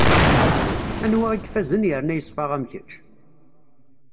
Anwa i yefazen yerna yeṣfa am kečč?